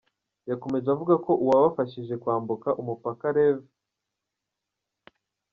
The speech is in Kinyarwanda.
Yakomeje avuga ko uwabafashije kwambuka umupaka Rev.